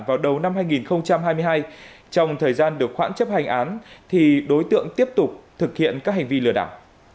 vào đầu năm hai nghìn hai mươi hai trong thời gian được khoản chấp hành án thì đối tượng tiếp tục thực hiện các hành vi lừa đảo